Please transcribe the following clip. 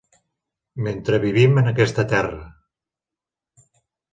Mentre vivim en aquesta terra.